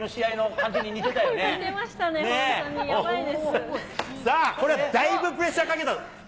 本当にやばいさあ、これはだいぶプレッシャーかけたぞ。